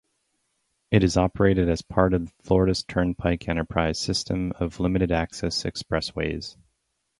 It is operated as part of the Florida's Turnpike Enterprise system of limited-access expressways.